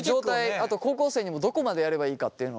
あと高校生にもどこまでやればいいかっていうのを。